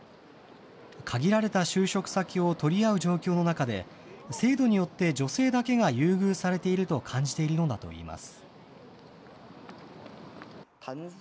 限られた就職先を取り合う状況の中で、制度によって女性だけが優遇されていると感じているのだといいます。